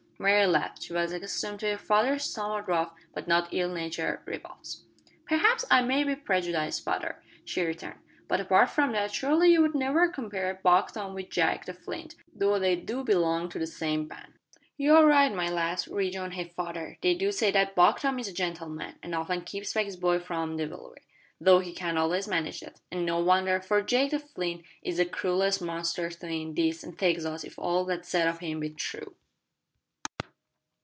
Mary laughed. She was accustomed to her fathers somewhat rough but not ill natured rebuffs. "Perhaps I may be prejudiced, father," she returned; "but apart from that, surely you would never compare Buck Tom with Jake the Flint, though they do belong to the same band." "You are right, my lass," rejoined her father. "They do say that Buck Tom is a gentleman, and often keeps back his boys from devilry though he can't always manage that, an' no wonder, for Jake the Flint is the cruellest monster 'tween this an' Texas if all that's said of him be true."